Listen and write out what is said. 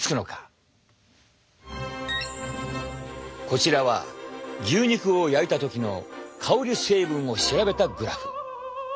こちらは牛肉を焼いた時の香り成分を調べたグラフ。